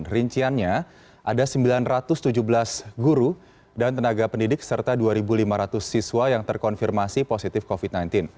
rinciannya ada sembilan ratus tujuh belas guru dan tenaga pendidik serta dua lima ratus siswa yang terkonfirmasi positif covid sembilan belas